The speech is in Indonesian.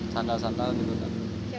sandal sandal gitu kan